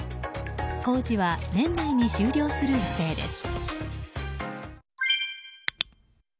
工事は年内に終了する予定です。